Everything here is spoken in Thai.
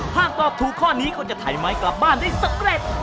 หากตอบถูกข้อนี้ก็จะถ่ายไม้กลับบ้านได้สำเร็จ